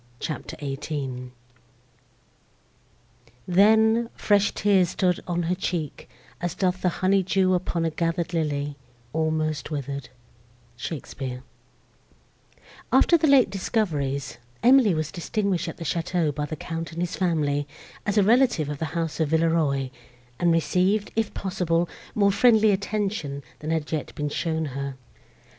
CHAPTER XVIII Then, fresh tears Stood on her cheek, as doth the honey dew Upon a gather'd lily almost wither'd SHAKESPEARE After the late discoveries, Emily was distinguished at the château by the Count and his family, as a relative of the house of Villeroi, and received, if possible, more friendly attention, than had yet been shown her.